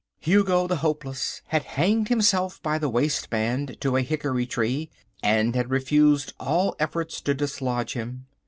Hugo the Hopeless had hanged himself by the waistband to a hickory tree and had refused all efforts to dislodge him.